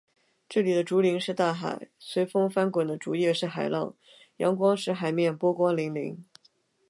这里的竹林是大海，随风翻滚的竹叶是海浪，阳光使“海面”波光粼粼。